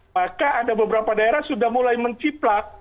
maka ada beberapa daerah sudah mulai menciplak